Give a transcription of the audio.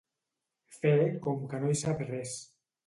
Fer com que no hi sap res.